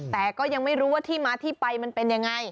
แต่ก็ยังไม่รู้ว่าที่มาที่ไปมันเป็นยังไง